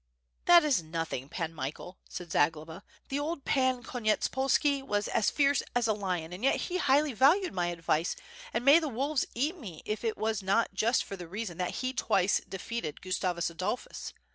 "That is nothing, Pan Michael," said Zagloba, "the old Pan KonyetspolsJii was as tierce as a lion, yet he highly valued my advice, and may the wolves eat me if it was not just for that reason that he twice defeated Gustavus Adolphus.